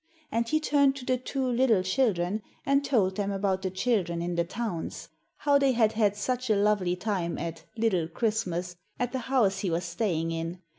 And he turned to the two little children and told them about the children in the towns how they had had such a lovely time at 'Little Christmas,' at the house he was staying in.